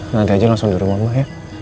nanti aja langsung ke rumahmu ya